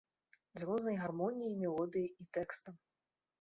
З рознай гармоніяй, мелодыяй і тэкстам.